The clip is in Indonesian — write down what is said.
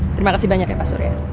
terima kasih banyak ya pak surya